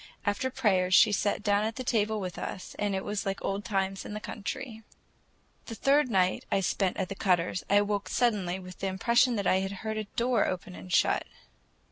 After prayers she sat down at the table with us, and it was like old times in the country. The third night I spent at the Cutters', I awoke suddenly with the impression that I had heard a door open and shut.